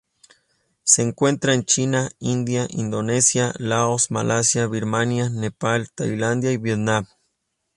Se encuentra en China, India, Indonesia, Laos, Malasia, Birmania, Nepal, Tailandia y Vietnam.